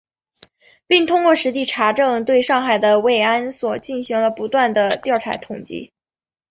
并通过实地查证，对上海的慰安所进行了不断地调查统计